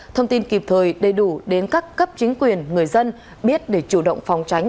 thông tin kịp thời đầy đủ đến các cấp chính quyền người dân biết để chủ động phòng tránh